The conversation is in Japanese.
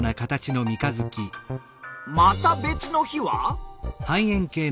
また別の日は？